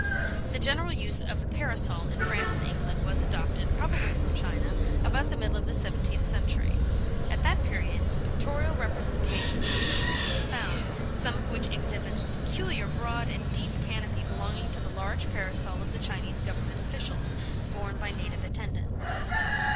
The general use of the Parasol in France and England was adopted, probably from China, about the middle of the seventeenth century. At that period, pictorial representations of it are frequently found, some of which exhibit the peculiar broad and deep canopy belonging to the large Parasol of the Chinese Government officials, borne by native attendants.